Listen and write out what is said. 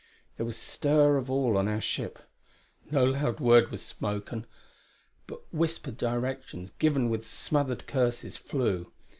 There was stir of all on our ship. No loud word was spoken, but whispered directions, given with smothered curses, flew.